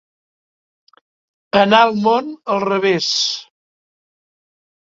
Anar el món al revés.